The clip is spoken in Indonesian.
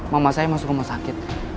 mama saya masuk rumah sakit